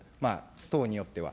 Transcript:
党によっては。